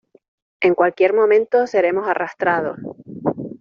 en cualquier momento seremos arrastrados.